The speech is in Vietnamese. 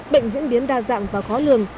bệnh diễn biến đa dạng và khó lường